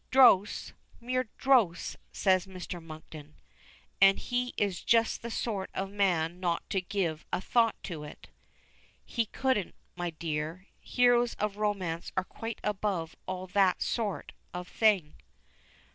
"Dross mere dross!" says Mr. Monkton. "And he is just the sort of man not to give a thought to it." "He couldn't, my dear. Heroes of romance are quite above all that sort of thing."